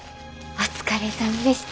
お疲れさまでした！